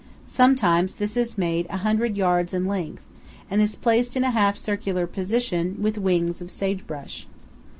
Sometimes this is made a hundred yards in length, and is placed in a half circular position, with wings of sage brush.